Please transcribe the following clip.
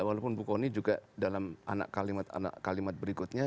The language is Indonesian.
walaupun bu kony juga dalam anak kalimat anak kalimat berikutnya